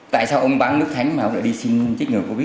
tại sao ông bán nước thánh mà ông đã đi xin chích ngừa covid